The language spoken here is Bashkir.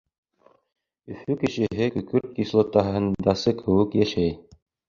Өфө кешеһе көкөрт кислотаһындасы кеүек йәшәй.